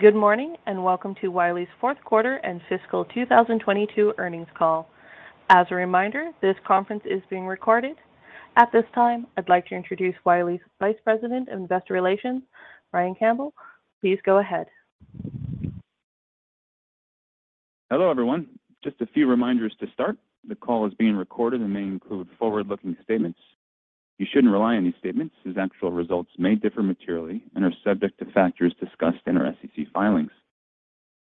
Good morning, and welcome to Wiley's fourth quarter and fiscal 2022 earnings call. As a reminder, this conference is being recorded. At this time, I'd like to introduce Wiley's Vice President, Investor Relations, Brian Campbell. Please go ahead. Hello, everyone. Just a few reminders to start. The call is being recorded and may include forward-looking statements. You shouldn't rely on these statements as actual results may differ materially and are subject to factors discussed in our SEC filings.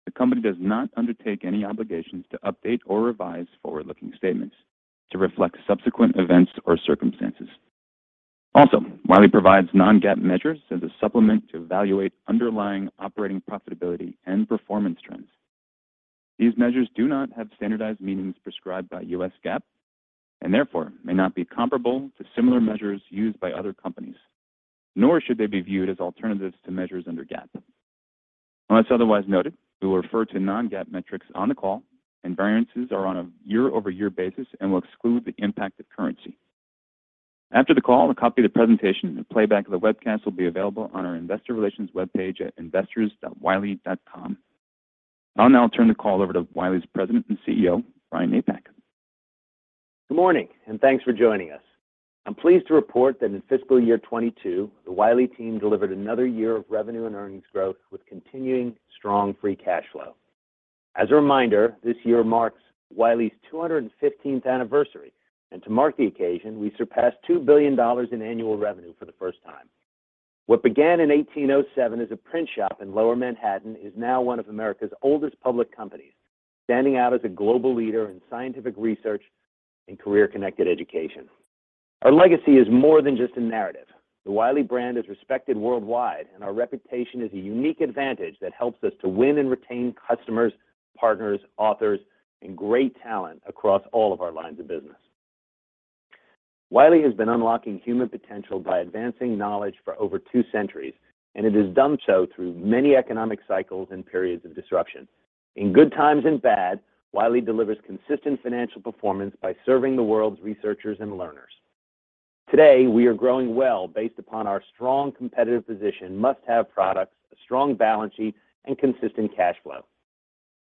The company does not undertake any obligations to update or revise forward-looking statements to reflect subsequent events or circumstances. Also, Wiley provides non-GAAP measures as a supplement to evaluate underlying operating profitability and performance trends. These measures do not have standardized meanings prescribed by US GAAP, and therefore may not be comparable to similar measures used by other companies, nor should they be viewed as alternatives to measures under GAAP. Unless otherwise noted, we will refer to non-GAAP metrics on the call, and variances are on a year-over-year basis and will exclude the impact of currency. After the call, a copy of the presentation and playback of the webcast will be available on our investor relations webpage at investors.wiley.com. I'll now turn the call over to Wiley's President and CEO, Brian Napack. Good morning, and thanks for joining us. I'm pleased to report that in fiscal year 2022, the Wiley team delivered another year of revenue and earnings growth with continuing strong free cash flow. As a reminder, this year marks Wiley's 215th anniversary, and to mark the occasion, we surpassed $2 billion in annual revenue for the first time. What began in 1807 as a print shop in Lower Manhattan is now one of America's oldest public companies, standing out as a global leader in scientific research and career-connected education. Our legacy is more than just a narrative. The Wiley brand is respected worldwide, and our reputation is a unique advantage that helps us to win and retain customers, partners, authors, and great talent across all of our lines of business. Wiley has been unlocking human potential by advancing knowledge for over two centuries, and it has done so through many economic cycles and periods of disruption. In good times and bad, Wiley delivers consistent financial performance by serving the world's researchers and learners. Today, we are growing well based upon our strong competitive position, must-have products, a strong balance sheet, and consistent cash flow.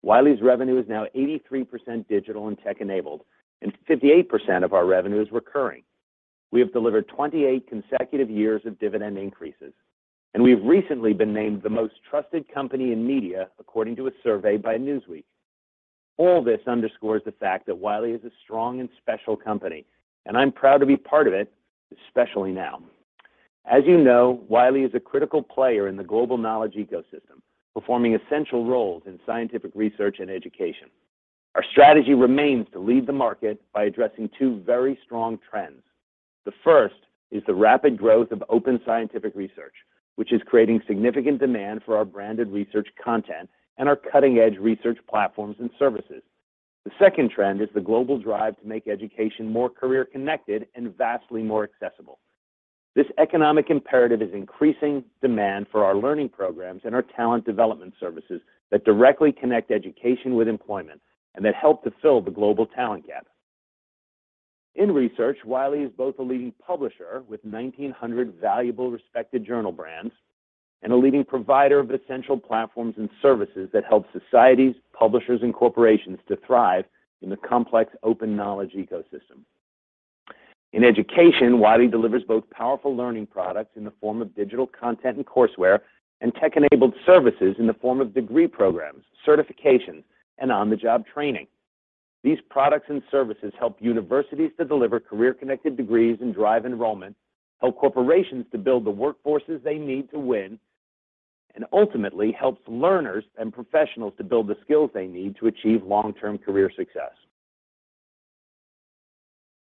Wiley's revenue is now 83% digital and tech-enabled, and 58% of our revenue is recurring. We have delivered 28 consecutive years of dividend increases, and we've recently been named the most trusted company in media, according to a survey by Newsweek. All this underscores the fact that Wiley is a strong and special company, and I'm proud to be part of it, especially now. As you know, Wiley is a critical player in the global knowledge ecosystem, performing essential roles in scientific research and education. Our strategy remains to lead the market by addressing two very strong trends. The first is the rapid growth of open scientific research, which is creating significant demand for our branded research content and our cutting-edge research platforms and services. The second trend is the global drive to make education more career-connected and vastly more accessible. This economic imperative is increasing demand for our learning programs and our talent development services that directly connect education with employment and that help to fill the global talent gap. In research, Wiley is both a leading publisher with 1,900 valuable, respected journal brands and a leading provider of essential platforms and services that help societies, publishers, and corporations to thrive in the complex open knowledge ecosystem. In education, Wiley delivers both powerful learning products in the form of digital content and courseware, and tech-enabled services in the form of degree programs, certifications, and on-the-job training. These products and services help universities to deliver career-connected degrees and drive enrollment, help corporations to build the workforces they need to win, and ultimately helps learners and professionals to build the skills they need to achieve long-term career success.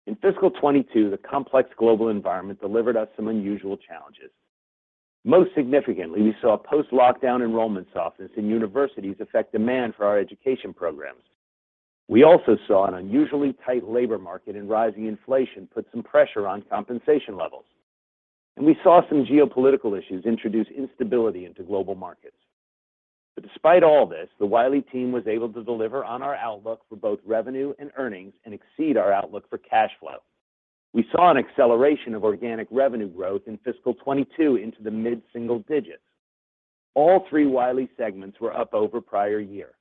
In fiscal 2022, the complex global environment delivered us some unusual challenges. Most significantly, we saw post-lockdown enrollment softness in universities affect demand for our education programs. We also saw an unusually tight labor market and rising inflation put some pressure on compensation levels. We saw some geopolitical issues introduce instability into global markets. Despite all this, the Wiley team was able to deliver on our outlook for both revenue and earnings and exceed our outlook for cash flow. We saw an acceleration of organic revenue growth in fiscal 2022 into the mid-single digits. All three Wiley segments were up over prior year.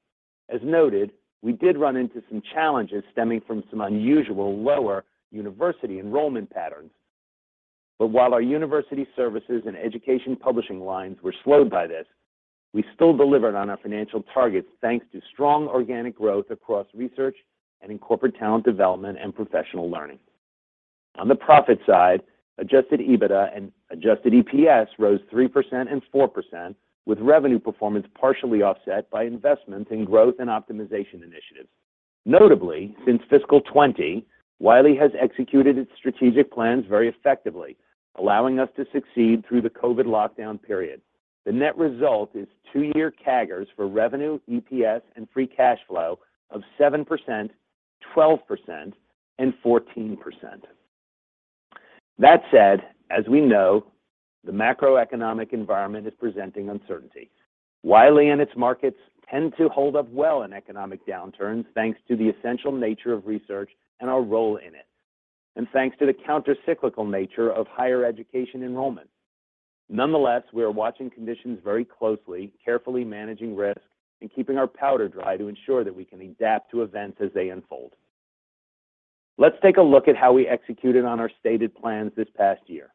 As noted, we did run into some challenges stemming from some unusual lower university enrollment patterns. While our university services and education publishing lines were slowed by this, we still delivered on our financial targets, thanks to strong organic growth across research and in corporate talent development and professional learning. On the profit side, adjusted EBITDA and adjusted EPS rose 3% and 4%, with revenue performance partially offset by investments in growth and optimization initiatives. Notably, since fiscal 2020, Wiley has executed its strategic plans very effectively, allowing us to succeed through the COVID lockdown period. The net result is two-year CAGRs for revenue, EPS, and free cash flow of 7%, 12%, and 14%. That said, as we know, the macroeconomic environment is presenting uncertainty. Wiley and its markets tend to hold up well in economic downturns, thanks to the essential nature of research and our role in it. Thanks to the counter-cyclical nature of higher education enrollment. Nonetheless, we are watching conditions very closely, carefully managing risk, and keeping our powder dry to ensure that we can adapt to events as they unfold. Let's take a look at how we executed on our stated plans this past year.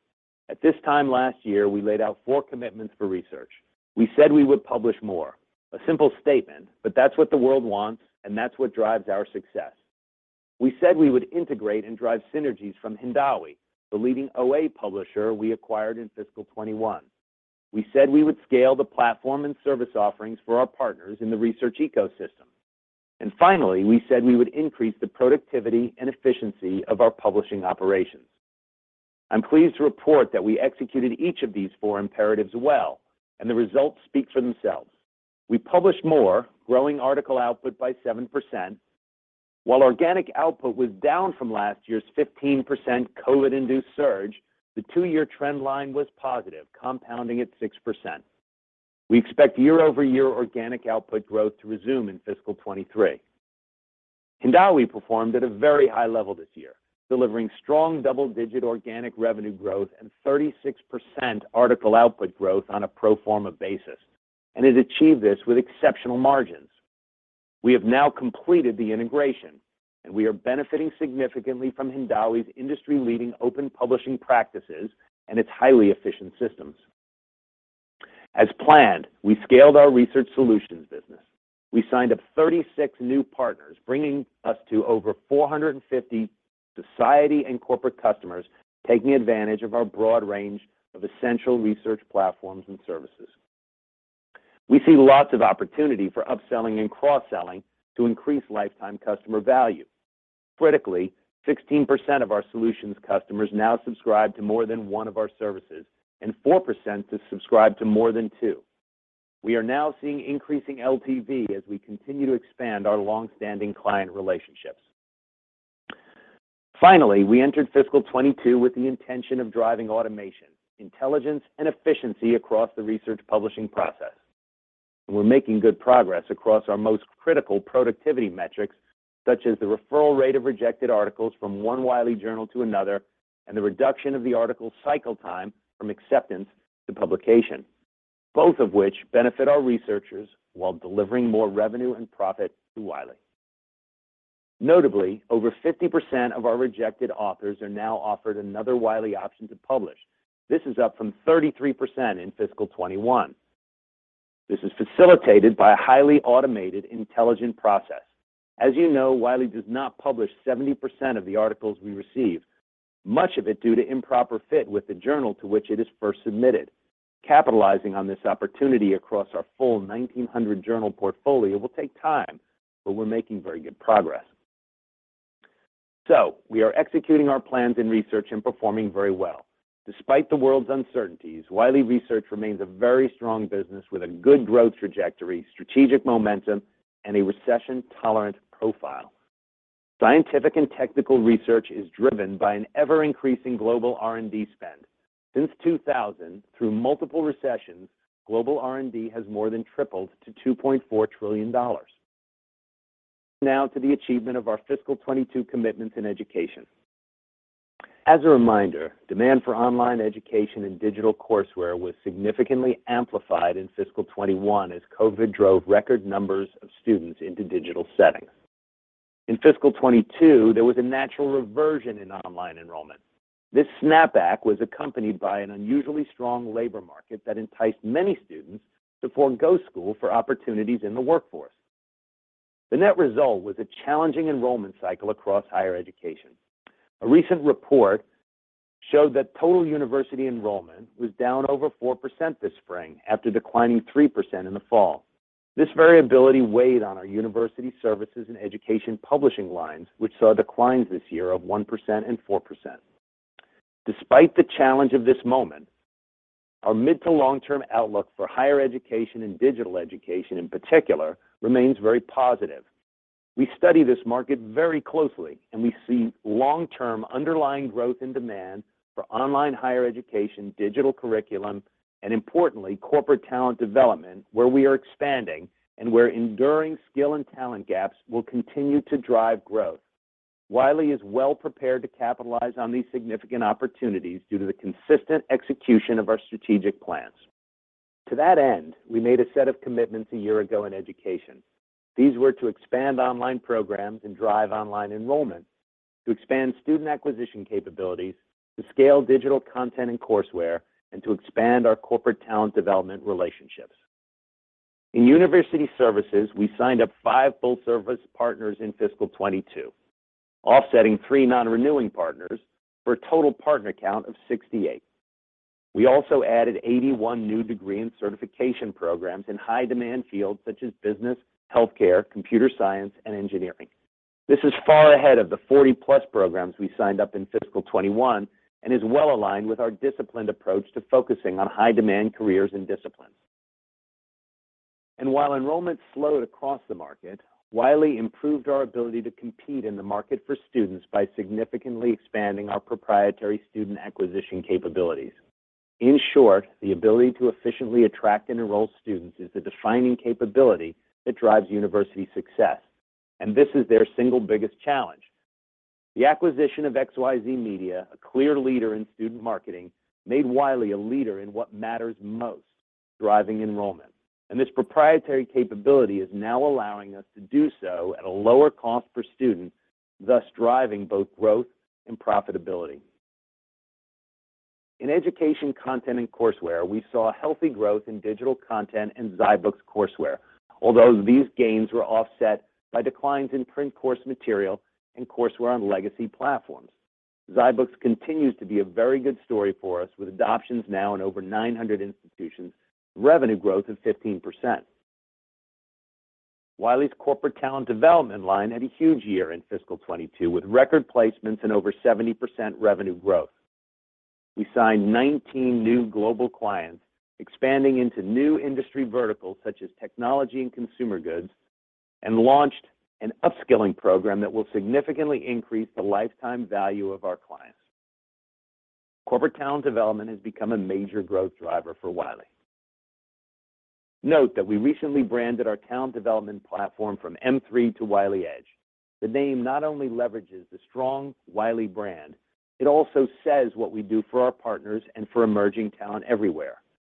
At this time last year, we laid out four commitments for research. We said we would publish more. A simple statement, but that's what the world wants, and that's what drives our success. We said we would integrate and drive synergies from Hindawi, the leading OA publisher we acquired in fiscal 2021. We said we would scale the platform and service offerings for our partners in the research ecosystem. Finally, we said we would increase the productivity and efficiency of our publishing operations. I'm pleased to report that we executed each of these four imperatives well, and the results speak for themselves. We published more, growing article output by 7%. While organic output was down from last year's 15% COVID-induced surge, the two-year trend line was positive, compounding at 6%. We expect year-over-year organic output growth to resume in fiscal 2023. Hindawi performed at a very high level this year, delivering strong double-digit organic revenue growth and 36% article output growth on a pro forma basis, and has achieved this with exceptional margins. We have now completed the integration, and we are benefiting significantly from Hindawi's industry-leading open publishing practices and its highly efficient systems. As planned, we scaled our research solutions business. We signed up 36 new partners, bringing us to over 450 society and corporate customers taking advantage of our broad range of essential research platforms and services. We see lots of opportunity for upselling and cross-selling to increase lifetime customer value. Critically, 16% of our solutions customers now subscribe to more than one of our services, and 4% to subscribe to more than two. We are now seeing increasing LTV as we continue to expand our long-standing client relationships. Finally, we entered fiscal 2022 with the intention of driving automation, intelligence, and efficiency across the research publishing process. We're making good progress across our most critical productivity metrics, such as the referral rate of rejected articles from one Wiley journal to another, and the reduction of the article cycle time from acceptance to publication, both of which benefit our researchers while delivering more revenue and profit to Wiley. Notably, over 50% of our rejected authors are now offered another Wiley option to publish. This is up from 33% in fiscal 2021. This is facilitated by a highly automated, intelligent process. As you know, Wiley does not publish 70% of the articles we receive, much of it due to improper fit with the journal to which it is first submitted. Capitalizing on this opportunity across our full 1,900 journal portfolio will take time, but we're making very good progress. We are executing our plans in research and performing very well. Despite the world's uncertainties, Wiley Research remains a very strong business with a good growth trajectory, strategic momentum, and a recession-tolerant profile. Scientific and technical research is driven by an ever-increasing global R&D spend. Since 2000, through multiple recessions, global R&D has more than tripled to $2.4 trillion. Now to the achievement of our fiscal 2022 commitments in education. As a reminder, demand for online education and digital courseware was significantly amplified in fiscal 2021 as COVID drove record numbers of students into digital settings. In fiscal 2022, there was a natural reversion in online enrollment. This snapback was accompanied by an unusually strong labor market that enticed many students to forgo school for opportunities in the workforce. The net result was a challenging enrollment cycle across higher education. A recent report showed that total university enrollment was down over 4% this spring after declining 3% in the fall. This variability weighed on our university services and education publishing lines, which saw declines this year of 1% and 4%. Despite the challenge of this moment, our mid to long-term outlook for higher education and digital education in particular remains very positive. We study this market very closely, and we see long-term underlying growth in demand for online higher education, digital curriculum, and importantly, corporate talent development, where we are expanding and where enduring skill and talent gaps will continue to drive growth. Wiley is well-prepared to capitalize on these significant opportunities due to the consistent execution of our strategic plans. To that end, we made a set of commitments a year ago in education. These were to expand online programs and drive online enrollment, to expand student acquisition capabilities, to scale digital content and courseware, and to expand our corporate talent development relationships. In university services, we signed up five full-service partners in fiscal 2022, offsetting three non-renewing partners for a total partner count of 68. We also added 81 new degree and certification programs in high-demand fields such as business, healthcare, computer science, and engineering. This is far ahead of the 40-plus programs we signed up in fiscal 2021 and is well-aligned with our disciplined approach to focusing on high-demand careers and disciplines. While enrollment slowed across the market, Wiley improved our ability to compete in the market for students by significantly expanding our proprietary student acquisition capabilities. In short, the ability to efficiently attract and enroll students is the defining capability that drives university success, and this is their single biggest challenge. The acquisition of EducationDynamics, a clear leader in student marketing, made Wiley a leader in what matters most, driving enrollment. This proprietary capability is now allowing us to do so at a lower cost per student, thus driving both growth and profitability. In education content and courseware, we saw healthy growth in digital content and zyBooks courseware, although these gains were offset by declines in print course material and courseware on legacy platforms. zyBooks continues to be a very good story for us, with adoptions now in over 900 institutions and revenue growth of 15%. Wiley's corporate talent development line had a huge year in fiscal 2022, with record placements and over 70% revenue growth. We signed 19 new global clients, expanding into new industry verticals such as technology and consumer goods, and launched an upskilling program that will significantly increase the lifetime value of our clients. Corporate talent development has become a major growth driver for Wiley. Note that we recently branded our talent development platform from mthree to Wiley Edge. The name not only leverages the strong Wiley brand, it also says what we do for our partners and for emerging talent everywhere.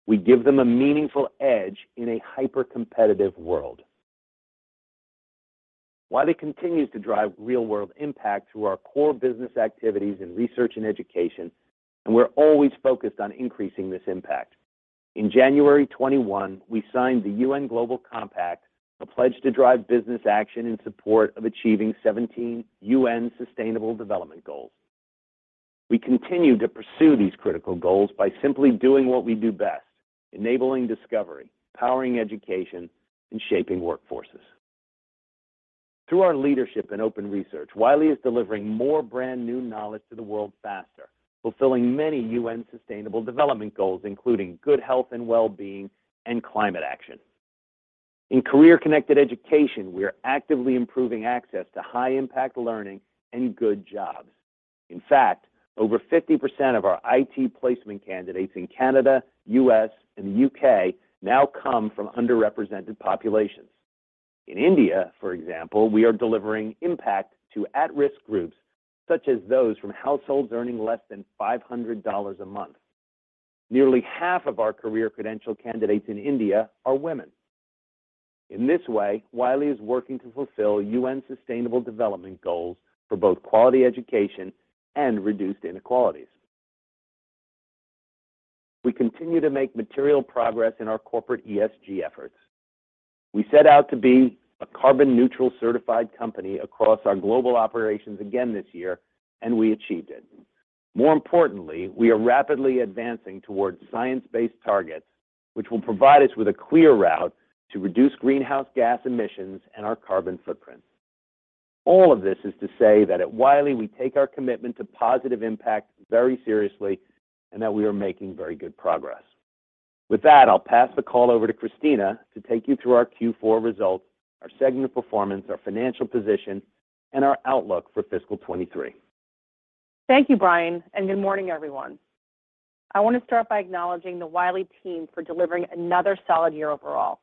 We give them a meaningful edge in a hyper-competitive world. Wiley continues to drive real-world impact through our core business activities in research and education, and we're always focused on increasing this impact. In January 2021, we signed the UN Global Compact, a pledge to drive business action in support of achieving 17 UN Sustainable Development Goals. We continue to pursue these critical goals by simply doing what we do best, enabling discovery, powering education, and shaping workforces. Through our leadership in open research, Wiley is delivering more brand-new knowledge to the world faster, fulfilling many UN Sustainable Development Goals, including good health and well-being and climate action. In career-connected education, we are actively improving access to high-impact learning and good jobs. In fact, over 50% of our IT placement candidates in Canada, US, and the UK now come from underrepresented populations. In India, for example, we are delivering impact to at-risk groups, such as those from households earning less than $500 a month. Nearly half of our career credential candidates in India are women. In this way, Wiley is working to fulfill UN Sustainable Development Goals for both quality education and reduced inequalities. We continue to make material progress in our corporate ESG efforts. We set out to be a carbon-neutral certified company across our global operations again this year, and we achieved it. More importantly, we are rapidly advancing towards science-based targets, which will provide us with a clear route to reduce greenhouse gas emissions and our carbon footprint. All of this is to say that at Wiley, we take our commitment to positive impact very seriously and that we are making very good progress. With that, I'll pass the call over to Christina to take you through our Q four results, our segment performance, our financial position, and our outlook for fiscal 2023. Thank you, Brian, and good morning, everyone. I want to start by acknowledging the Wiley team for delivering another solid year overall.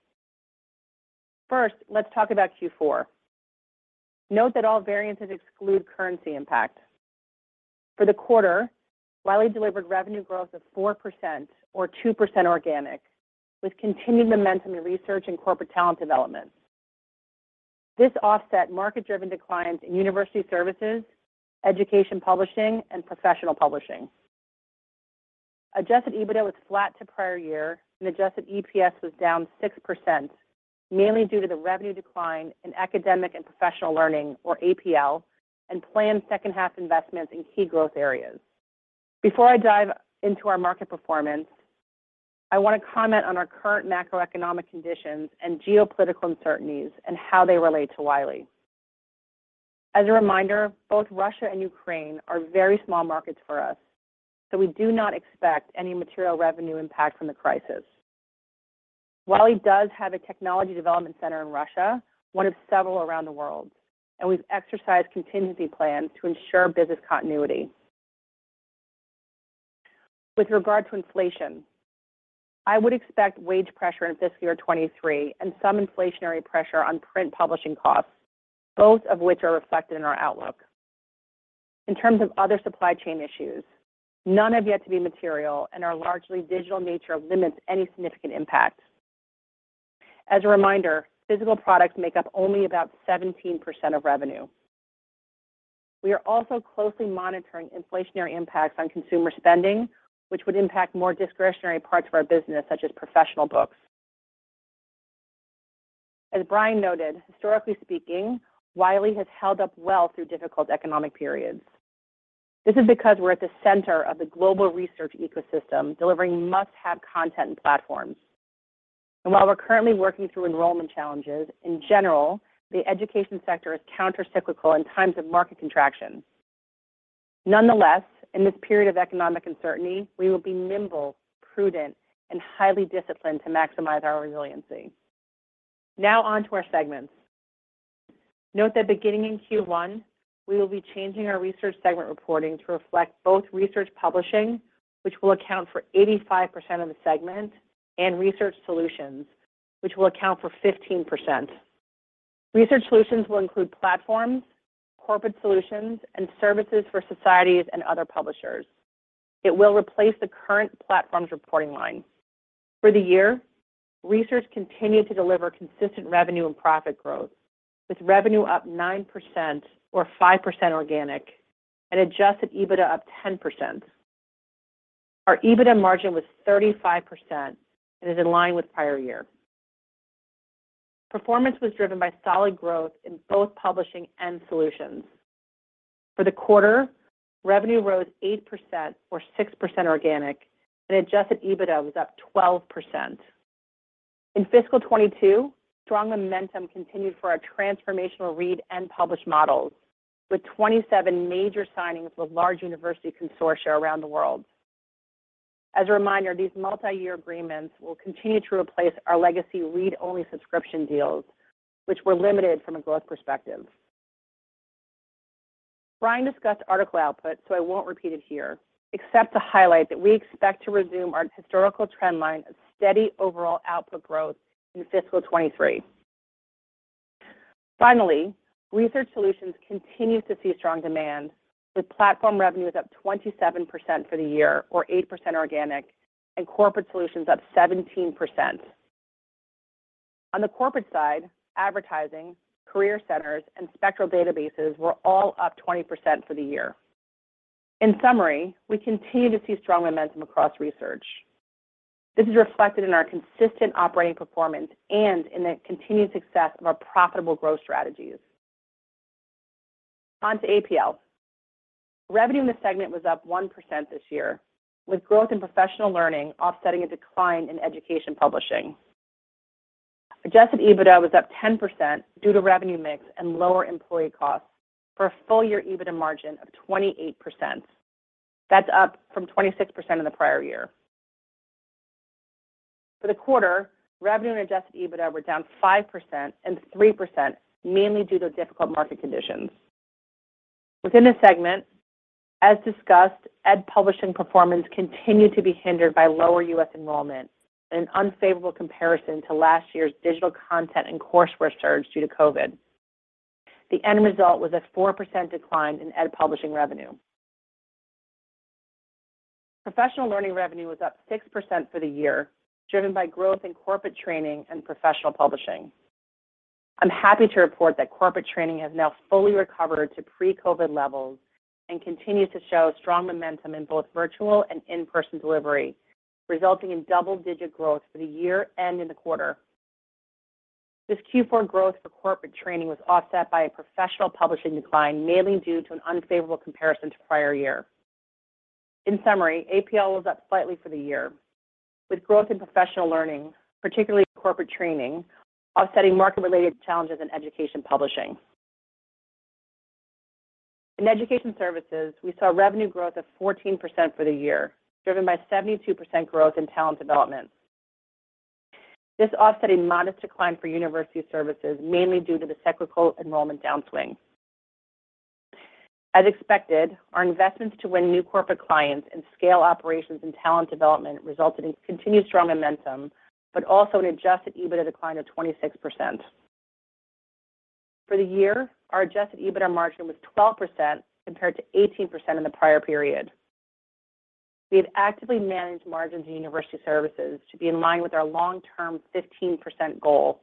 First, let's talk about Q4. Note that all variances exclude currency impact. For the quarter, Wiley delivered revenue growth of 4% or 2% organic, with continued momentum in research and corporate talent development. This offset market-driven declines in university services, education publishing, and professional publishing. Adjusted EBITDA was flat to prior year and adjusted EPS was down 6%, mainly due to the revenue decline in academic and professional learning or APL and planned second-half investments in key growth areas. Before I dive into our market performance, I want to comment on our current macroeconomic conditions and geopolitical uncertainties and how they relate to Wiley. As a reminder, both Russia and Ukraine are very small markets for us, so we do not expect any material revenue impact from the crisis. Wiley does have a technology development center in Russia, one of several around the world, and we've exercised contingency plans to ensure business continuity. With regard to inflation, I would expect wage pressure in fiscal year 2023 and some inflationary pressure on print publishing costs, both of which are reflected in our outlook. In terms of other supply chain issues, none have yet to be material, and our largely digital nature limits any significant impact. As a reminder, physical products make up only about 17% of revenue. We are also closely monitoring inflationary impacts on consumer spending, which would impact more discretionary parts of our business, such as professional books. As Brian noted, historically speaking, Wiley has held up well through difficult economic periods. This is because we're at the center of the global research ecosystem, delivering must-have content and platforms. While we're currently working through enrollment challenges, in general, the education sector is countercyclical in times of market contraction. Nonetheless, in this period of economic uncertainty, we will be nimble, prudent, and highly disciplined to maximize our resiliency. Now on to our segments. Note that beginning in Q1, we will be changing our research segment reporting to reflect both research publishing, which will account for 85% of the segment, and research solutions, which will account for 15% of the segment. Research solutions will include platforms, corporate solutions, and services for societies and other publishers. It will replace the current platforms reporting line. For the year, research continued to deliver consistent revenue and profit growth, with revenue up 9% or 5% organic and adjusted EBITDA up 10%. Our EBITDA margin was 35% and is in line with prior year. Performance was driven by solid growth in both publishing and solutions. For the quarter, revenue rose 8% or 6% organic, and adjusted EBITDA was up 12%. In fiscal 2022, strong momentum continued for our transformational read and publish models, with 27 major signings with large university consortia around the world. As a reminder, these multi-year agreements will continue to replace our legacy read-only subscription deals, which were limited from a growth perspective. Brian discussed article output, so I won't repeat it here, except to highlight that we expect to resume our historical trend line of steady overall output growth in fiscal 2023. Finally, research solutions continued to see strong demand, with platform revenues up 27% for the year or 8% organic and corporate solutions up 17%. On the corporate side, advertising, career centers, and Spectral Databases were all up 20% for the year. In summary, we continue to see strong momentum across research. This is reflected in our consistent operating performance and in the continued success of our profitable growth strategies. On to APL. Revenue in this segment was up 1% this year, with growth in professional learning offsetting a decline in education publishing. Adjusted EBITDA was up 10% due to revenue mix and lower employee costs for a full-year EBITDA margin of 28%. That's up from 26% in the prior year. For the quarter, revenue and adjusted EBITDA were down 5% and 3%, mainly due to difficult market conditions. Within the segment, as discussed, Education Publishing performance continued to be hindered by lower U.S. enrollment and unfavorable comparison to last year's digital content and courseware surge due to COVID. The end result was a 4% decline in Education Publishing revenue. Professional Learning revenue was up 6% for the year, driven by growth in corporate training and professional publishing. I'm happy to report that corporate training has now fully recovered to pre-COVID levels and continues to show strong momentum in both virtual and in-person delivery, resulting in double-digit growth for the year and in the quarter. This Q4 growth for corporate training was offset by a professional publishing decline, mainly due to an unfavorable comparison to prior year. In summary, APL was up slightly for the year, with growth in Professional Learning, particularly corporate training, offsetting market-related challenges in Education Publishing. In education services, we saw revenue growth of 14% for the year, driven by 72% growth in talent development. This offset a modest decline for university services, mainly due to the cyclical enrollment downswing. As expected, our investments to win new corporate clients and scale operations and talent development resulted in continued strong momentum, but also an adjusted EBITDA decline of 26%. For the year, our adjusted EBITDA margin was 12% compared to 18% in the prior period. We have actively managed margins in university services to be in line with our long-term 15% goal,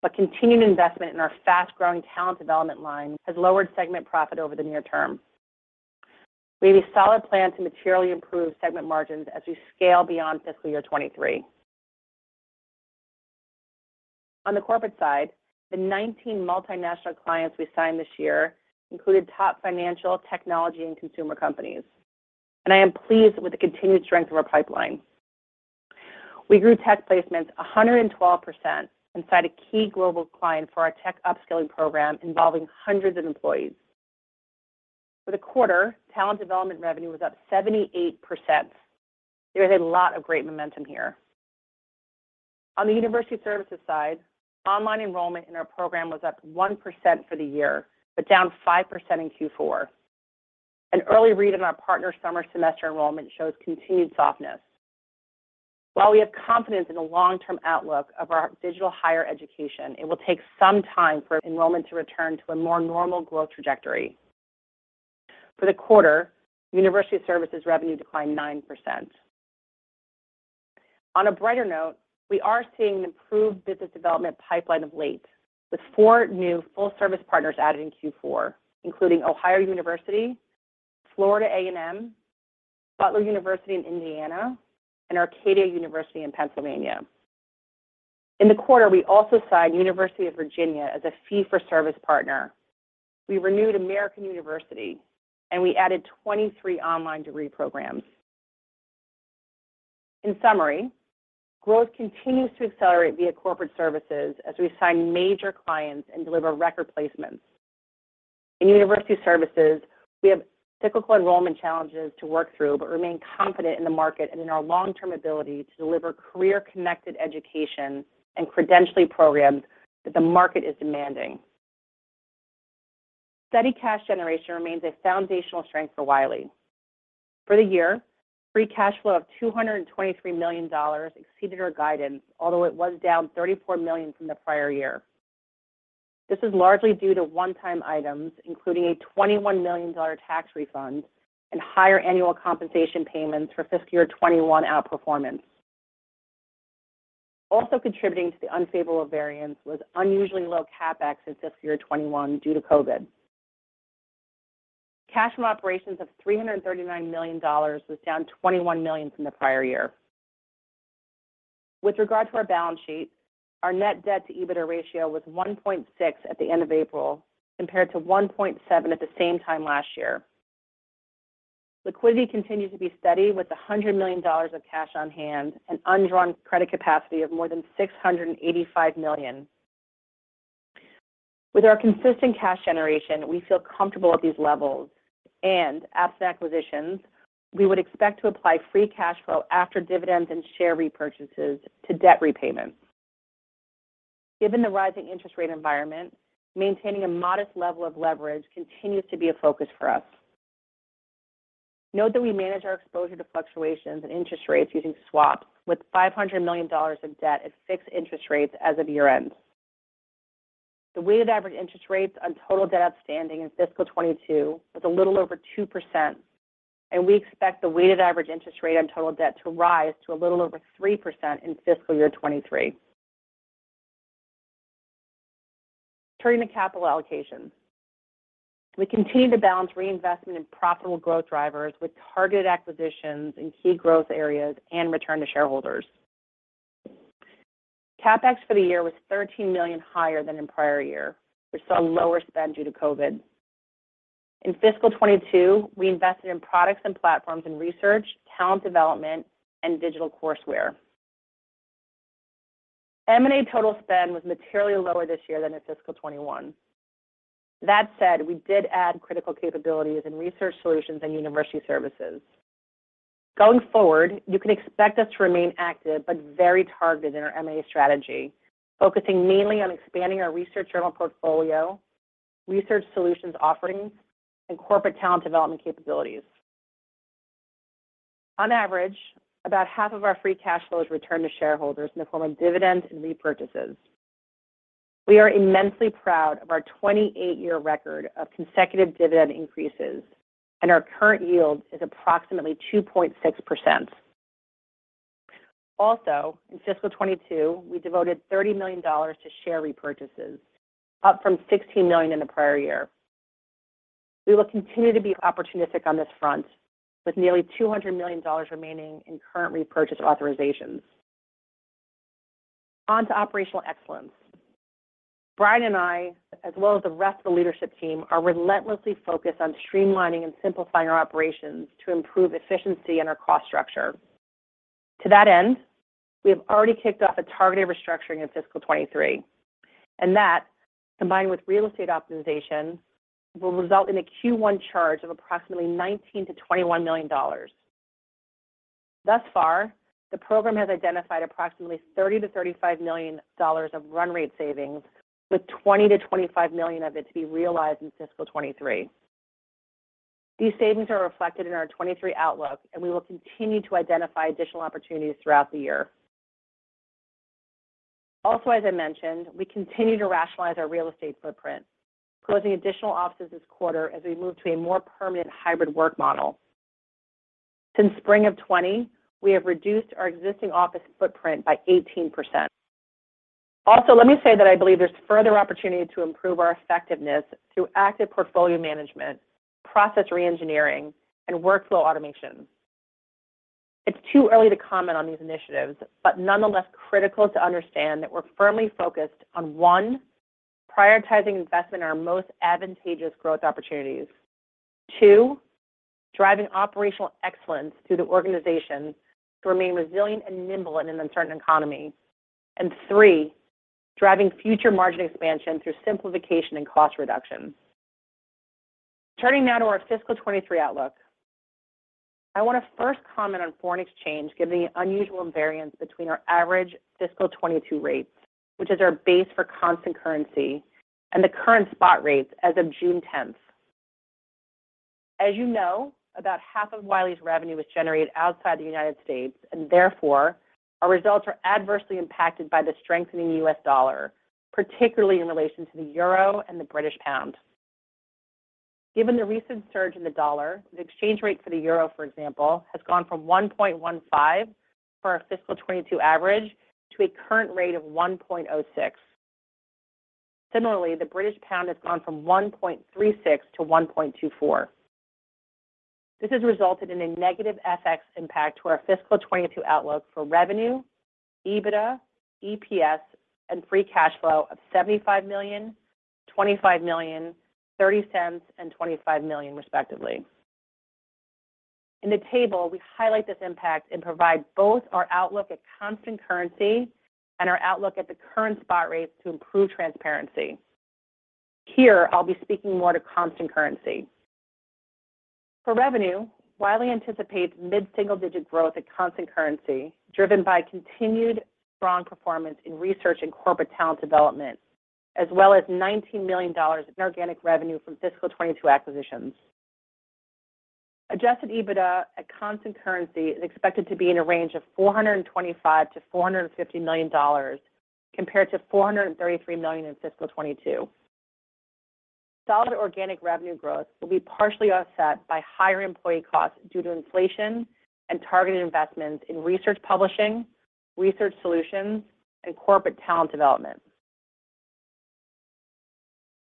but continued investment in our fast-growing talent development line has lowered segment profit over the near term. We have a solid plan to materially improve segment margins as we scale beyond fiscal year 2023. On the corporate side, the 19 multinational clients we signed this year included top financial, technology, and consumer companies, and I am pleased with the continued strength of our pipeline. We grew tech placements 112% and signed a key global client for our tech upskilling program involving hundreds of employees. For the quarter, talent development revenue was up 78%. There is a lot of great momentum here. On the university services side, online enrollment in our program was up 1% for the year, but down 5% in Q4. An early read of our partner summer semester enrollment shows continued softness. While we have confidence in the long-term outlook of our digital higher education, it will take some time for enrollment to return to a more normal growth trajectory. For the quarter, university services revenue declined 9%. On a brighter note, we are seeing an improved business development pipeline of late, with four new full-service partners added in Q4, including Ohio University, Florida A&M, Butler University in Indiana, and Arcadia University in Pennsylvania. In the quarter, we also signed University of Virginia as a fee-for-service partner. We renewed American University, and we added 23 online degree programs. In summary, growth continues to accelerate via corporate services as we sign major clients and deliver record placements. In University Services, we have cyclical enrollment challenges to work through but remain confident in the market and in our long-term ability to deliver career-connected education and credentialing programs that the market is demanding. Steady cash generation remains a foundational strength for Wiley. For the year, free cash flow of $223 million exceeded our guidance, although it was down $34 million from the prior year. This is largely due to one-time items, including a $21 million tax refund and higher annual compensation payments for fiscal year 2021 outperformance. Also contributing to the unfavorable variance was unusually low CapEx in fiscal year 2021 due to COVID. Cash from operations of $339 million was down $21 million from the prior year. With regard to our balance sheet, our net debt to EBITDA ratio was 1.6 at the end of April, compared to 1.7 at the same time last year. Liquidity continues to be steady with $100 million of cash on hand and undrawn credit capacity of more than $685 million. With our consistent cash generation, we feel comfortable at these levels and, absent acquisitions, we would expect to apply free cash flow after dividends and share repurchases to debt repayments. Given the rising interest rate environment, maintaining a modest level of leverage continues to be a focus for us. Note that we manage our exposure to fluctuations in interest rates using swaps with $500 million of debt at fixed interest rates as of year-end. The weighted average interest rates on total debt outstanding in fiscal 2022 was a little over 2%, and we expect the weighted average interest rate on total debt to rise to a little over 3% in fiscal year 2023. Turning to capital allocations, we continue to balance reinvestment in profitable growth drivers with targeted acquisitions in key growth areas and return to shareholders. CapEx for the year was $13 million higher than in prior year. We saw a lower spend due to COVID. In fiscal 2022, we invested in products and platforms in research, talent development, and digital courseware. M&A total spend was materially lower this year than in fiscal 2021. That said, we did add critical capabilities in research solutions and university services. Going forward, you can expect us to remain active but very targeted in our M&A strategy, focusing mainly on expanding our research journal portfolio, research solutions offerings, and corporate talent development capabilities. On average, about half of our free cash flow is returned to shareholders in the form of dividends and repurchases. We are immensely proud of our 28-year record of consecutive dividend increases, and our current yield is approximately 2.6%. Also, in fiscal 2022, we devoted $30 million to share repurchases, up from $16 million in the prior year. We will continue to be opportunistic on this front, with nearly $200 million remaining in current repurchase authorizations. On to operational excellence. Brian and I, as well as the rest of the leadership team, are relentlessly focused on streamlining and simplifying our operations to improve efficiency in our cost structure. To that end, we have already kicked off a targeted restructuring in fiscal 2023, and that, combined with real estate optimization, will result in a Q1 charge of approximately $19-$21 million. Thus far, the program has identified approximately $30-$35 million of run rate savings, with $20-$25 million of it to be realized in fiscal 2023. These savings are reflected in our 2023 outlook, and we will continue to identify additional opportunities throughout the year. Also, as I mentioned, we continue to rationalize our real estate footprint, closing additional offices this quarter as we move to a more permanent hybrid work model. Since spring of 2020, we have reduced our existing office footprint by 18%. Also, let me say that I believe there's further opportunity to improve our effectiveness through active portfolio management, process reengineering, and workflow automation. It's too early to comment on these initiatives, but nonetheless critical to understand that we're firmly focused on, one, prioritizing investment in our most advantageous growth opportunities, two, driving operational excellence through the organization to remain resilient and nimble in an uncertain economy, and three, driving future margin expansion through simplification and cost reduction. Turning now to our fiscal 2023 outlook, I want to first comment on foreign exchange given the unusual variance between our average fiscal 2022 rates, which is our base for constant currency, and the current spot rates as of June 10th. As you know, about half of Wiley's revenue is generated outside the United States, and therefore, our results are adversely impacted by the strengthening U.S. dollar, particularly in relation to the euro and the British pound. Given the recent surge in the dollar, the exchange rate for the euro, for example, has gone from 1.15 for our fiscal 2022 average to a current rate of 1.06. Similarly, the British pound has gone from 1.36-1.24. This has resulted in a negative FX impact to our fiscal 2022 outlook for revenue, EBITDA, EPS, and free cash flow of $75 million, $25 million, $0.30, and $25 million, respectively. In the table, we highlight this impact and provide both our outlook at constant currency and our outlook at the current spot rates to improve transparency. Here, I'll be speaking more to constant currency. For revenue, Wiley anticipates mid-single-digit growth at constant currency, driven by continued strong performance in research and corporate talent development, as well as $19 million in organic revenue from fiscal 2022 acquisitions. Adjusted EBITDA at constant currency is expected to be in a range of $425 million-$450 million compared to $433 million in fiscal 2022. Solid organic revenue growth will be partially offset by higher employee costs due to inflation and targeted investments in research publishing, research solutions, and corporate talent development.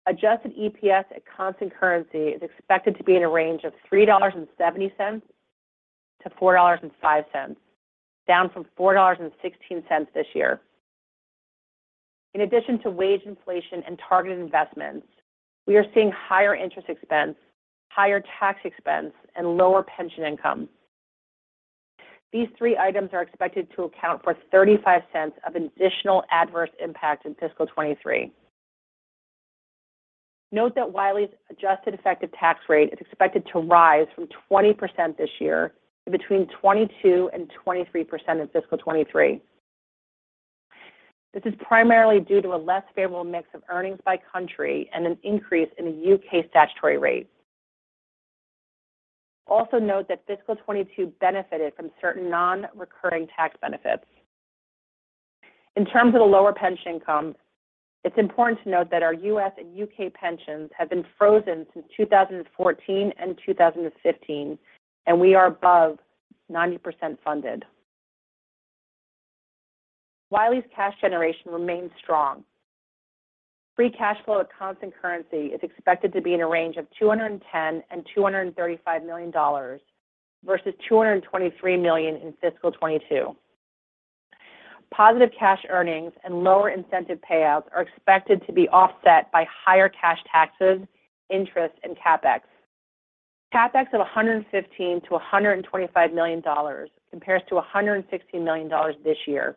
Adjusted EPS at constant currency is expected to be in a range of $3.70-$4.05, down from $4.16 this year. In addition to wage inflation and targeted investments, we are seeing higher interest expense, higher tax expense, and lower pension income. These three items are expected to account for $0.35 of additional adverse impact in fiscal 2023. Note that Wiley's adjusted effective tax rate is expected to rise from 20% this year to between 22%-23% in fiscal 2023. This is primarily due to a less favorable mix of earnings by country and an increase in the U.K. statutory rate. Also note that fiscal 2022 benefited from certain non-recurring tax benefits. In terms of the lower pension income, it's important to note that our U.S. and U.K. pensions have been frozen since 2014 and 2015, and we are above 90% funded. Wiley's cash generation remains strong. Free cash flow at constant currency is expected to be in a range of $210 million-$235 million versus $223 million in fiscal 2022. Positive cash earnings and lower incentive payouts are expected to be offset by higher cash taxes, interest, and CapEx. CapEx of $115 million-$125 million compares to $116 million this year.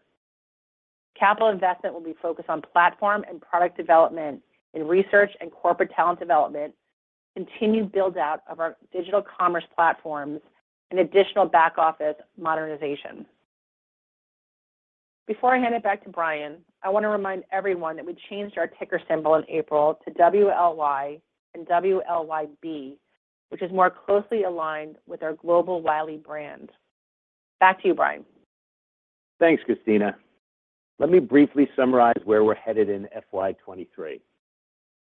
Capital investment will be focused on platform and product development in research and corporate talent development, continued build-out of our digital commerce platforms, and additional back-office modernization. Before I hand it back to Brian, I want to remind everyone that we changed our ticker symbol in April to WLY and WLYB, which is more closely aligned with our global Wiley brand. Back to you, Brian. Thanks, Christina. Let me briefly summarize where we're headed in FY 2023.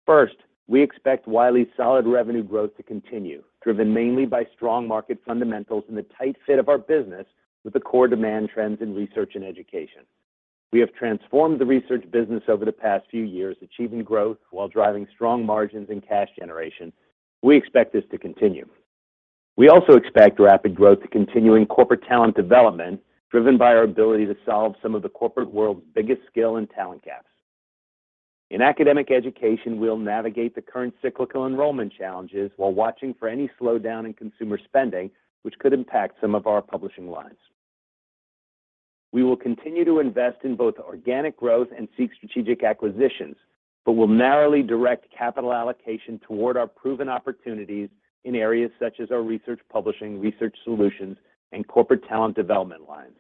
First, we expect Wiley's solid revenue growth to continue, driven mainly by strong market fundamentals and the tight fit of our business with the core demand trends in research and education. We have transformed the research business over the past few years, achieving growth while driving strong margins and cash generation. We expect this to continue. We also expect rapid growth to continue in corporate talent development, driven by our ability to solve some of the corporate world's biggest skill and talent gaps. In academic education, we'll navigate the current cyclical enrollment challenges while watching for any slowdown in consumer spending which could impact some of our publishing lines. We will continue to invest in both organic growth and seek strategic acquisitions, but will narrowly direct capital allocation toward our proven opportunities in areas such as our research publishing, research solutions, and corporate talent development lines.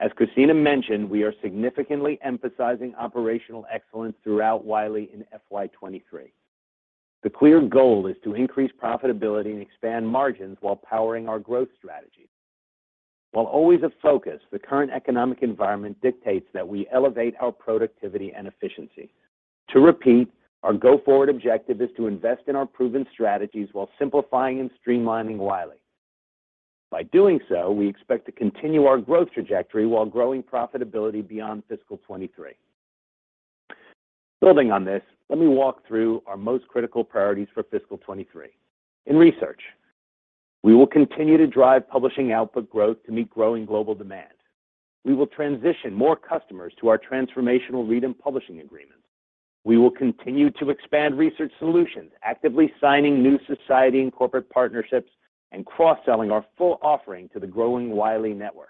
As Christina mentioned, we are significantly emphasizing operational excellence throughout Wiley in FY 2023. The clear goal is to increase profitability and expand margins while powering our growth strategy. While always a focus, the current economic environment dictates that we elevate our productivity and efficiency. To repeat, our go-forward objective is to invest in our proven strategies while simplifying and streamlining Wiley. By doing so, we expect to continue our growth trajectory while growing profitability beyond fiscal 2023. Building on this, let me walk through our most critical priorities for fiscal 2023. In research, we will continue to drive publishing output growth to meet growing global demand. We will transition more customers to our transformational read and publish agreements. We will continue to expand research solutions, actively signing new society and corporate partnerships, and cross-selling our full offering to the growing Wiley network.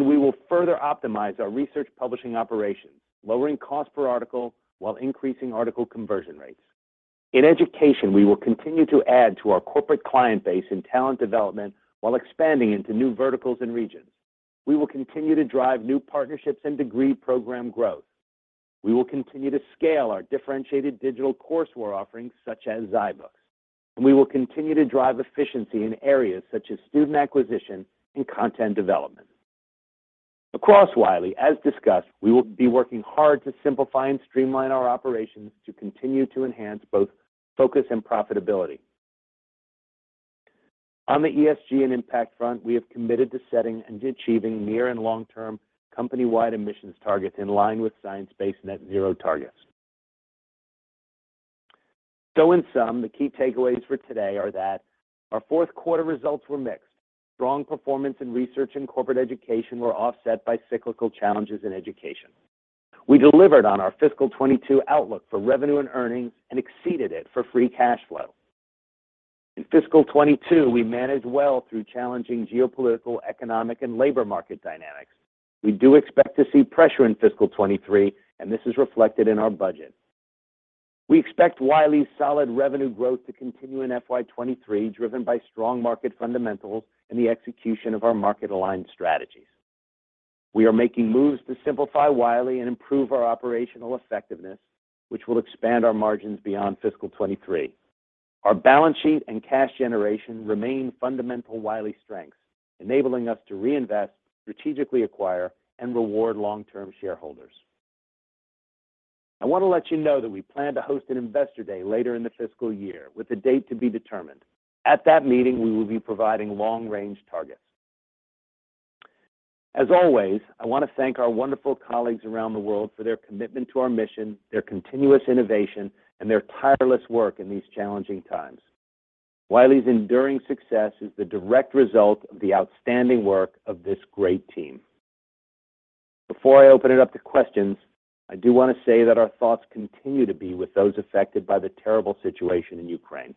We will further optimize our research publishing operations, lowering cost per article while increasing article conversion rates. In education, we will continue to add to our corporate client base in talent development while expanding into new verticals and regions. We will continue to drive new partnerships and degree program growth. We will continue to scale our differentiated digital courseware offerings such as zyBooks, and we will continue to drive efficiency in areas such as student acquisition and content development. Across Wiley, as discussed, we will be working hard to simplify and streamline our operations to continue to enhance both focus and profitability. On the ESG and impact front, we have committed to setting and achieving near and long-term company-wide emissions targets in line with science-based net zero targets. In sum, the key takeaways for today are that our fourth quarter results were mixed. Strong performance in research and corporate education were offset by cyclical challenges in education. We delivered on our fiscal 2022 outlook for revenue and earnings and exceeded it for free cash flow. In fiscal 2022, we managed well through challenging geopolitical, economic, and labor market dynamics. We do expect to see pressure in fiscal 2023, and this is reflected in our budget. We expect Wiley's solid revenue growth to continue in FY 2023, driven by strong market fundamentals and the execution of our market-aligned strategies. We are making moves to simplify Wiley and improve our operational effectiveness, which will expand our margins beyond fiscal 2023. Our balance sheet and cash generation remain fundamental Wiley strengths, enabling us to reinvest, strategically acquire, and reward long-term shareholders. I want to let you know that we plan to host an investor day later in the fiscal year with the date to be determined. At that meeting, we will be providing long-range targets. As always, I want to thank our wonderful colleagues around the world for their commitment to our mission, their continuous innovation, and their tireless work in these challenging times. Wiley's enduring success is the direct result of the outstanding work of this great team. Before I open it up to questions, I do want to say that our thoughts continue to be with those affected by the terrible situation in Ukraine.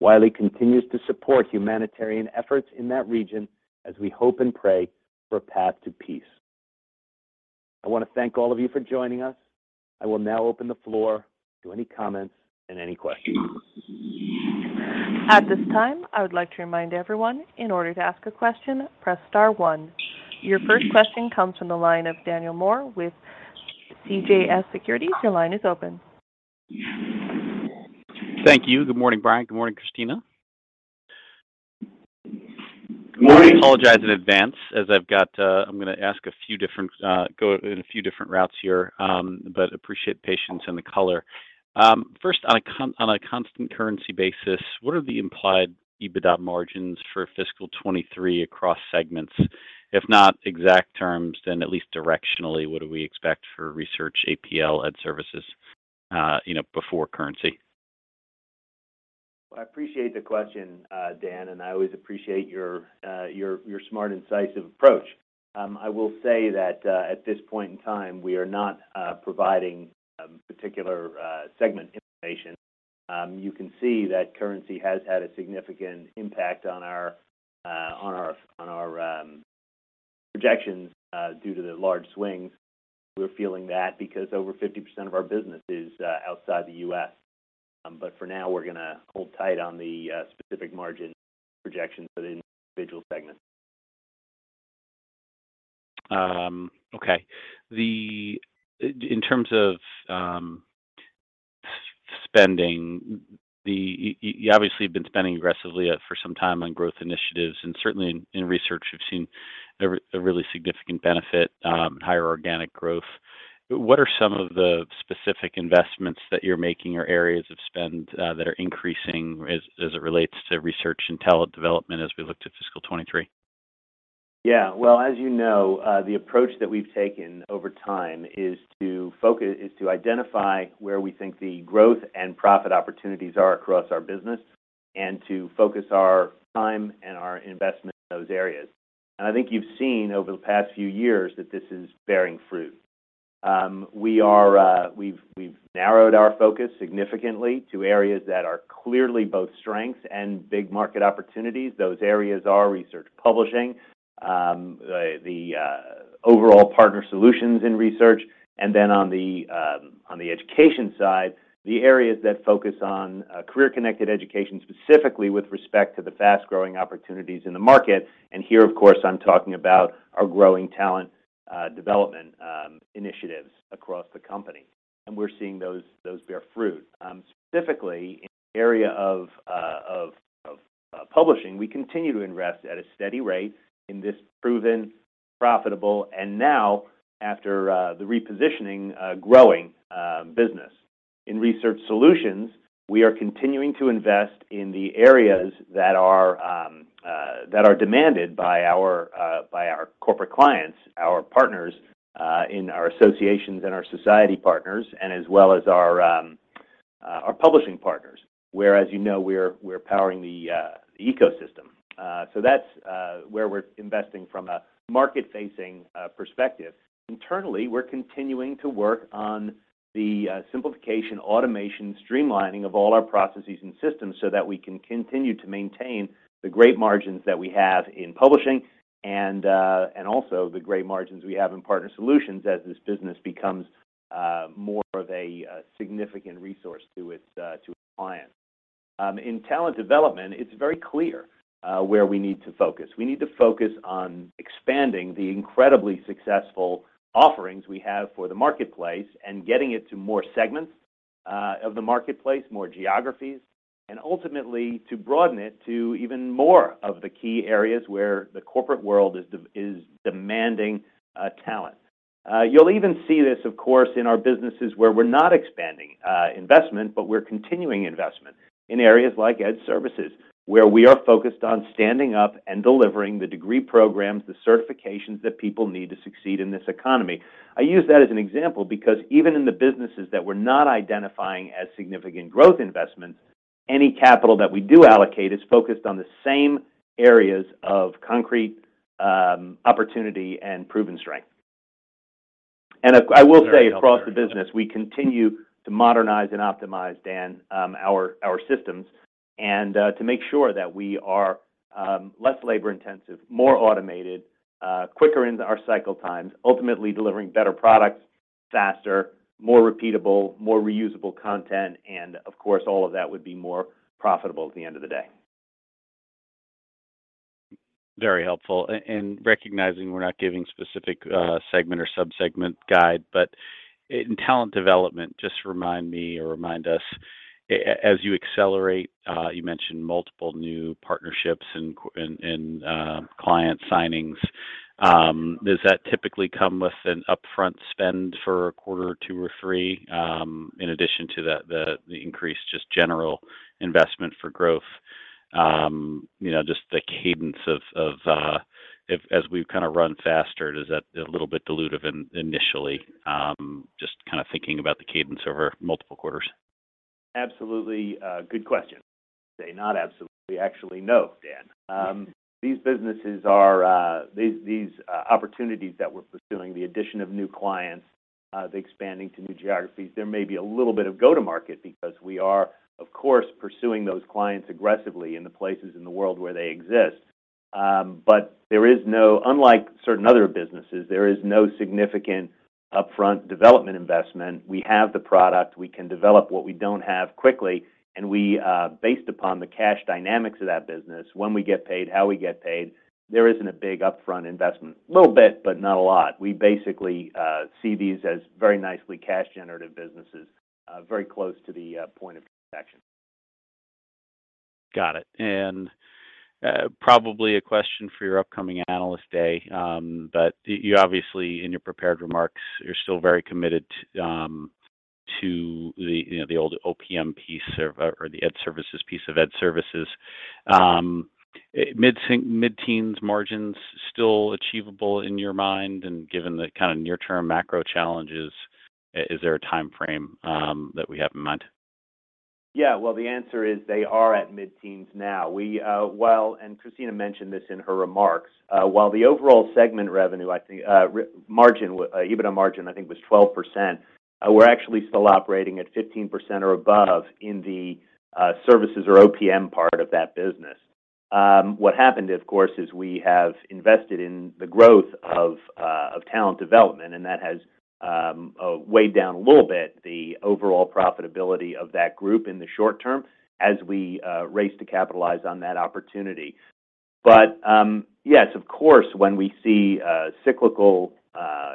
Wiley continues to support humanitarian efforts in that region as we hope and pray for a path to peace. I want to thank all of you for joining us. I will now open the floor to any comments and any questions. At this time, I would like to remind everyone, in order to ask a question, press star one. Your first question comes from the line of Daniel Moore with CJS Securities. Your line is open. Thank you. Good morning, Brian. Good morning, Christina. Good morning. I apologize in advance. I'm gonna go in a few different routes here, but I appreciate patience and the color. First, on a constant currency basis, what are the implied EBITDA margins for fiscal 2023 across segments? If not exact terms, then at least directionally, what do we expect for research APL and services, you know, before currency? I appreciate the question, Dan, and I always appreciate your smart, incisive approach. I will say that at this point in time, we are not providing particular segment information. You can see that currency has had a significant impact on our projections due to the large swings. We're feeling that because over 50% of our business is outside the U.S. For now, we're gonna hold tight on the specific margin projections for the individual segments. Okay. In terms of spending, you obviously have been spending aggressively for some time on growth initiatives, and certainly in research, we've seen a really significant benefit and higher organic growth. What are some of the specific investments that you're making or areas of spend that are increasing as it relates to research and talent development as we look to fiscal 2023? Yeah. Well, as you know, the approach that we've taken over time is to identify where we think the growth and profit opportunities are across our business and to focus our time and our investment in those areas. I think you've seen over the past few years that this is bearing fruit. We are, we've narrowed our focus significantly to areas that are clearly both strengths and big market opportunities. Those areas are research publishing, the overall partner solutions in research. Then on the education side, the areas that focus on career-connected education, specifically with respect to the fast-growing opportunities in the market. Here, of course, I'm talking about our growing talent development initiatives across the company, and we're seeing those bear fruit. Specifically in the area of publishing, we continue to invest at a steady rate in this proven, profitable, and now after the repositioning, growing business. In research solutions, we are continuing to invest in the areas that are demanded by our corporate clients, our partners in our associations and our society partners, and as well as our publishing partners, where, as you know, we're powering the ecosystem. That's where we're investing from a market-facing perspective. Internally, we're continuing to work on the simplification, automation, streamlining of all our processes and systems so that we can continue to maintain the great margins that we have in publishing and also the great margins we have in partner solutions as this business becomes more of a significant resource to its clients. In talent development, it's very clear where we need to focus. We need to focus on expanding the incredibly successful offerings we have for the marketplace and getting it to more segments of the marketplace, more geographies, and ultimately to broaden it to even more of the key areas where the corporate world is demanding talent. You'll even see this, of course, in our businesses where we're not expanding investment, but we're continuing investment in areas like ed services, where we are focused on standing up and delivering the degree programs, the certifications that people need to succeed in this economy. I use that as an example because even in the businesses that we're not identifying as significant growth investments. Any capital that we do allocate is focused on the same areas of concrete opportunity and proven strength. I will say across the business, we continue to modernize and optimize, Dan, our systems and to make sure that we are less labor-intensive, more automated, quicker in our cycle times, ultimately delivering better products faster, more repeatable, more reusable content, and of course, all of that would be more profitable at the end of the day. Very helpful. Recognizing we're not giving specific segment or sub-segment guide, but in talent development, just remind me or remind us, as you accelerate, you mentioned multiple new partnerships and client signings. Does that typically come with an upfront spend for a quarter or two or three, in addition to the increase, just general investment for growth? You know, just the cadence of, as we kind of run faster, is that a little bit dilutive initially? Just kind of thinking about the cadence over multiple quarters. Absolutely. Good question. Actually, no, Dan. These businesses are these opportunities that we're pursuing, the addition of new clients, the expanding to new geographies. There may be a little bit of go-to-market because we are, of course, pursuing those clients aggressively in the places in the world where they exist. But there is no unlike certain other businesses, there is no significant upfront development investment. We have the product. We can develop what we don't have quickly, and we, based upon the cash dynamics of that business, when we get paid, how we get paid, there isn't a big upfront investment. A little bit, but not a lot. We basically see these as very nicely cash-generative businesses, very close to the point of transaction. Got it. Probably a question for your upcoming Analyst Day, but you obviously, in your prepared remarks, you're still very committed to the, you know, the old OPM piece or the ed services piece. Mid-teens margins still achievable in your mind? Given the kind of near-term macro challenges, is there a timeframe that we have in mind? Yeah. Well, the answer is they are at mid-teens now. Christina mentioned this in her remarks. While the overall segment revenue, I think, EBITDA margin, I think, was 12%. We're actually still operating at 15% or above in the services or OPM part of that business. What happened, of course, is we have invested in the growth of talent development, and that has weighed down a little bit the overall profitability of that group in the short term as we race to capitalize on that opportunity. Yes, of course, when we see cyclical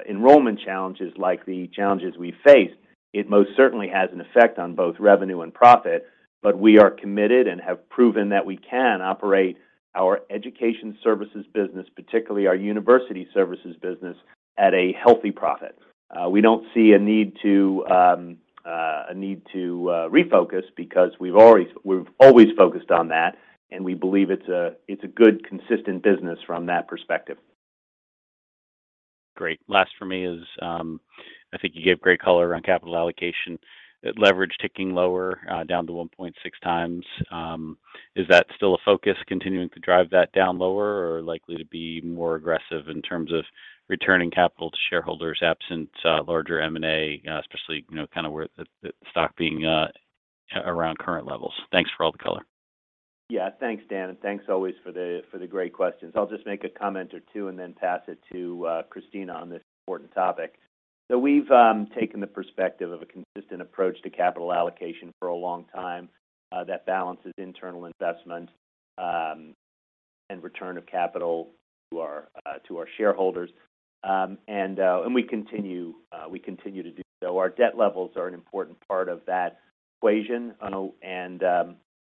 enrollment challenges like the challenges we face, it most certainly has an effect on both revenue and profit. We are committed and have proven that we can operate our education services business, particularly our university services business, at a healthy profit. We don't see a need to refocus because we've always focused on that, and we believe it's a good, consistent business from that perspective. Great. Last for me is, I think you gave great color on capital allocation. Leverage ticking lower, down to 1.6 times. Is that still a focus continuing to drive that down lower or likely to be more aggressive in terms of returning capital to shareholders absent larger M&A, especially, you know, kind of where the stock being around current levels? Thanks for all the color. Thanks, Dan. Thanks always for the great questions. I'll just make a comment or two and then pass it to Christina on this important topic. We've taken the perspective of a consistent approach to capital allocation for a long time that balances internal investment and return of capital to our shareholders. We continue to do so. Our debt levels are an important part of that equation.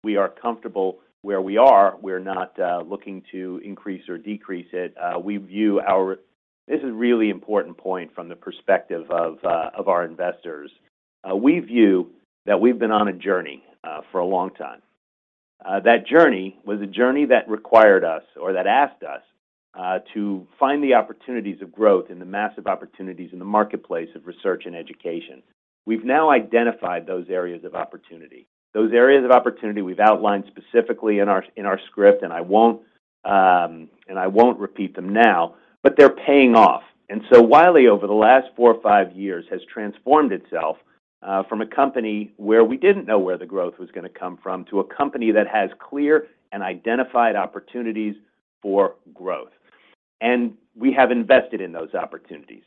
We are comfortable where we are. We're not looking to increase or decrease it. This is a really important point from the perspective of our investors. We view that we've been on a journey for a long time. That journey was a journey that required us or that asked us to find the opportunities of growth and the massive opportunities in the marketplace of research and education. We've now identified those areas of opportunity. Those areas of opportunity we've outlined specifically in our script, and I won't repeat them now, but they're paying off. Wiley, over the last four or five years, has transformed itself from a company where we didn't know where the growth was gonna come from to a company that has clear and identified opportunities for growth. We have invested in those opportunities.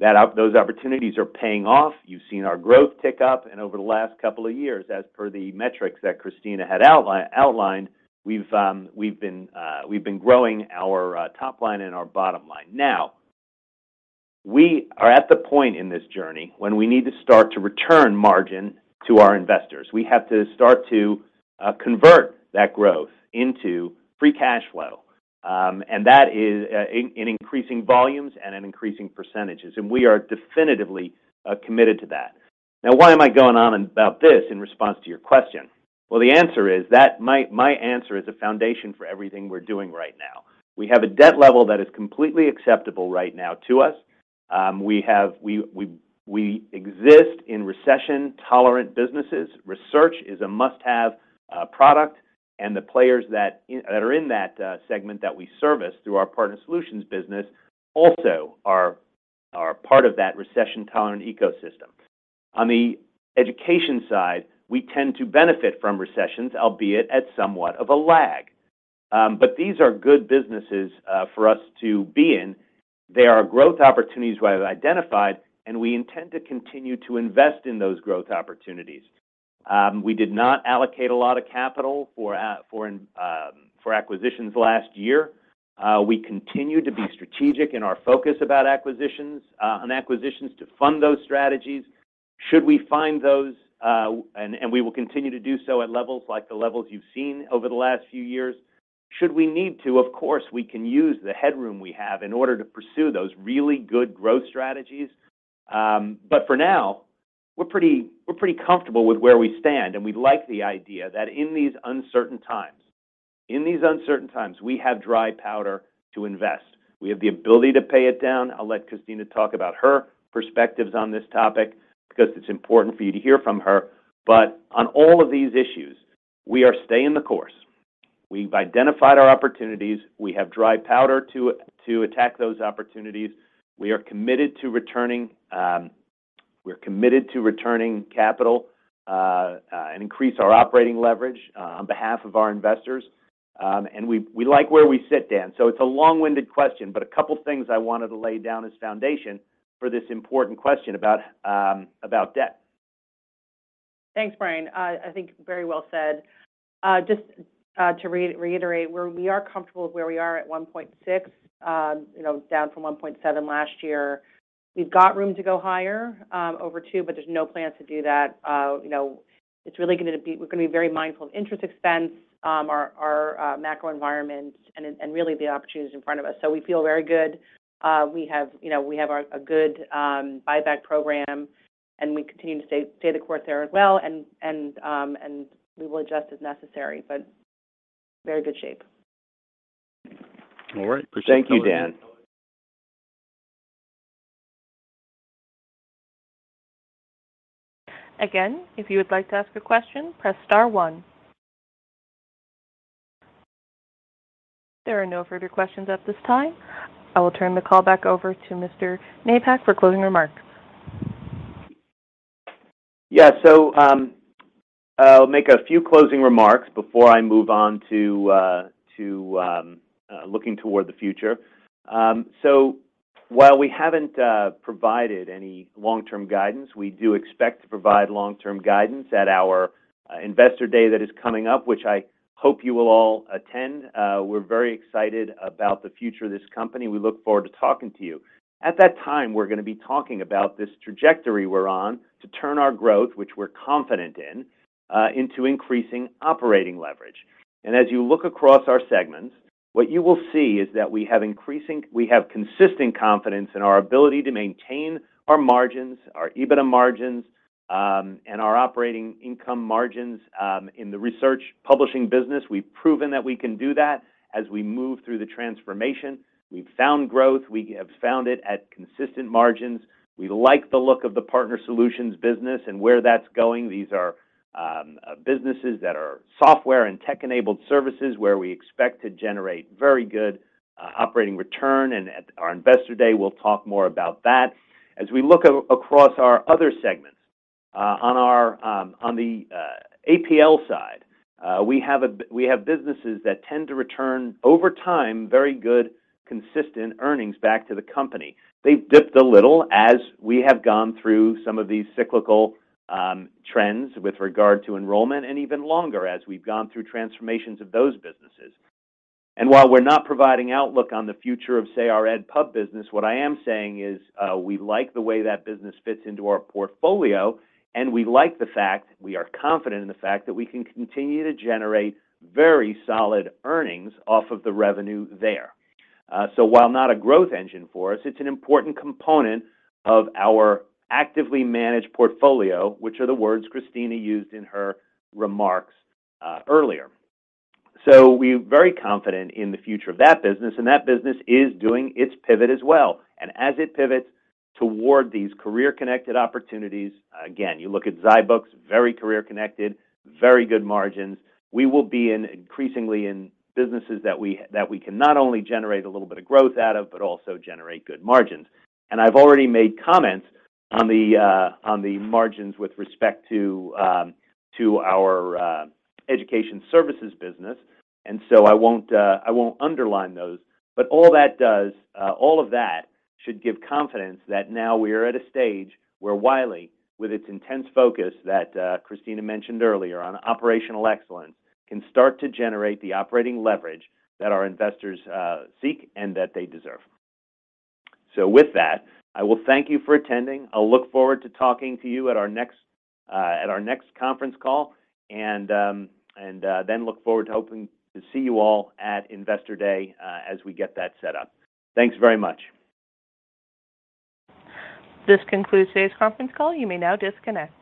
Those opportunities are paying off. You've seen our growth tick up, and over the last couple of years, as per the metrics that Christina had outlined, we've been growing our top line and our bottom line. Now, we are at the point in this journey when we need to start to return margin to our investors. We have to start to convert that growth into free cash flow, and that is in increasing volumes and in increasing percentages, and we are definitively committed to that. Now, why am I going on about this in response to your question? Well, the answer is that my answer is a foundation for everything we're doing right now. We have a debt level that is completely acceptable right now to us. We exist in recession-tolerant businesses. Research is a must-have product, and the players that are in that segment that we service through our partner solutions business also are part of that recession-tolerant ecosystem. On the education side, we tend to benefit from recessions, albeit at somewhat of a lag. These are good businesses for us to be in. They are growth opportunities we have identified, and we intend to continue to invest in those growth opportunities. We did not allocate a lot of capital for acquisitions last year. We continue to be strategic in our focus on acquisitions to fund those strategies. Should we find those, we will continue to do so at levels like the levels you've seen over the last few years. Should we need to, of course, we can use the headroom we have in order to pursue those really good growth strategies. For now, we're pretty comfortable with where we stand, and we like the idea that in these uncertain times, we have dry powder to invest. We have the ability to pay it down. I'll let Christina talk about her perspectives on this topic because it's important for you to hear from her. On all of these issues, we are staying the course. We've identified our opportunities. We have dry powder to attack those opportunities. We are committed to returning capital and increase our operating leverage on behalf of our investors. We like where we sit, Dan. It's a long-winded question, but a couple things I wanted to lay down as foundation for this important question about debt. Thanks, Brian. I think very well said. Just to reiterate, we are comfortable with where we are at 1.6, you know, down from 1.7 last year. We've got room to go higher, over 2, but there's no plans to do that. You know, we're gonna be very mindful of interest expense, our macro environment and really the opportunities in front of us. We feel very good. We have a good buyback program, and we continue to stay the course there as well. We will adjust as necessary, but very good shape. All right. Appreciate the call. Thank you, Dan. Again, if you would like to ask a question, press star one. There are no further questions at this time. I will turn the call back over to Brian Napack for closing remarks. Yeah. I'll make a few closing remarks before I move on to looking toward the future. While we haven't provided any long-term guidance, we do expect to provide long-term guidance at our investor day that is coming up, which I hope you will all attend. We're very excited about the future of this company. We look forward to talking to you. At that time, we're gonna be talking about this trajectory we're on to turn our growth, which we're confident in, into increasing operating leverage. As you look across our segments, what you will see is that we have consistent confidence in our ability to maintain our margins, our EBITDA margins, and our operating income margins in the research publishing business. We've proven that we can do that as we move through the transformation. We've found growth. We have found it at consistent margins. We like the look of the partner solutions business and where that's going. These are businesses that are software and tech-enabled services where we expect to generate very good operating return. And at our investor day, we'll talk more about that. As we look across our other segments, on our APL side, we have businesses that tend to return, over time, very good, consistent earnings back to the company. They've dipped a little as we have gone through some of these cyclical trends with regard to enrollment and even longer as we've gone through transformations of those businesses. While we're not providing outlook on the future of, say, our ed pub business, what I am saying is, we like the way that business fits into our portfolio, and we like the fact, we are confident in the fact that we can continue to generate very solid earnings off of the revenue there. While not a growth engine for us, it's an important component of our actively managed portfolio, which are the words Christina used in her remarks, earlier. We're very confident in the future of that business, and that business is doing its pivot as well. As it pivots toward these career-connected opportunities, again, you look at zyBooks, very career-connected, very good margins. We will be increasingly in businesses that we can not only generate a little bit of growth out of, but also generate good margins. I've already made comments on the margins with respect to our education services business. I won't underline those. All of that should give confidence that now we are at a stage where Wiley, with its intense focus that Christina mentioned earlier on operational excellence, can start to generate the operating leverage that our investors seek and that they deserve. With that, I will thank you for attending. I'll look forward to talking to you at our next conference call, and then look forward to hoping to see you all at Investor Day as we get that set up. Thanks very much. This concludes today's conference call. You may now disconnect.